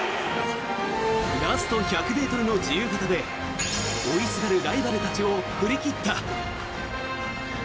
ラスト１００ｍの自由形で追いすがるライバルたちを振り切った。